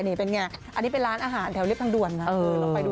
อันนี้เป็นร้านที่อาหารแถวเล็บทางด่วนนะ